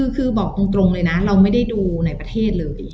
คือบอกตรงเลยนะเราไม่ได้ดูในประเทศเลย